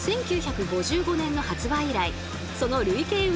１９５５年の発売以来その累計